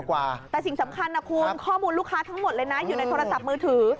แต่สิ่งสำคัญนะคุณข้อมูลลูกค้าทั้งหมดเลยนะอยู่ในโทรศัพท์มือถือ